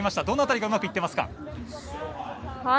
どの辺りがうまくいっていますか？